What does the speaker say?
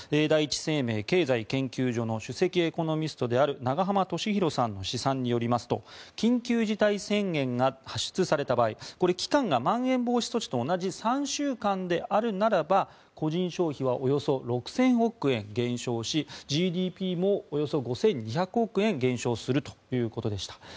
第一生命経済研究所の首席エコノミストである永濱利廣さんの試算によりますと緊急事態宣言が発出された場合期間がまん延防止措置と同じ３週間であるならば個人消費はおよそ６０００億円減少しＧＤＰもおよそ５２００億円減少するということでした。